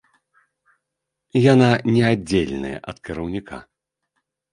Яна неаддзельная ад кіраўніка.